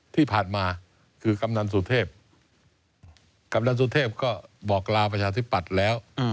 ที่ผ่านมาคือกำนันสุเทพกำนันสุเทพก็บอกลาประชาธิปัตย์แล้ว